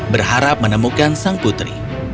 berharap menemukan sang putri